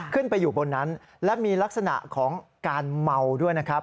ขึ้นไปอยู่บนนั้นและมีลักษณะของการเมาด้วยนะครับ